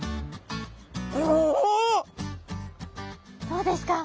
どうですか？